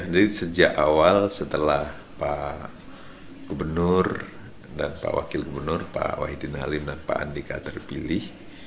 jadi sejak awal setelah pak gubernur dan pak wakil gubernur pak wahidin halim dan pak andika terpilih